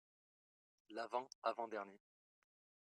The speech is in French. L'avant avant-dernier.